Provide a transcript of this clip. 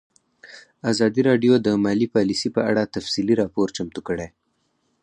ازادي راډیو د مالي پالیسي په اړه تفصیلي راپور چمتو کړی.